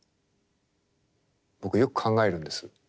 僕よく考えるんです。